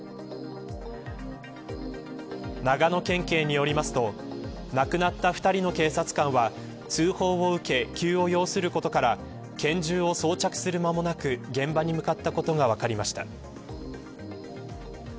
長野県警によりますと亡くなった２人の警察官は通報を受け急を要することから拳銃を装着する間もなく現場に向かったことが分かりました。